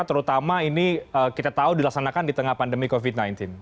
terutama ini kita tahu dilaksanakan di tengah pandemi covid sembilan belas